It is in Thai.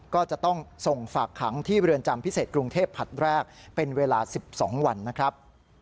ก็จะต้องส่งฝากขังที่เรือนจำพิเศษกรุงเทพผลัดแรกเป็นเวลา๑๒วันนะครับ